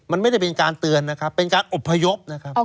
มันไม่ได้เป็นการเตือนนะครับเป็นการอบพยพนะครับ